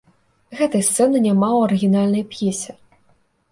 Гэтай сцэны няма ў арыгінальнай п'есе.